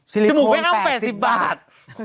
สิริโฟน๘๐บาท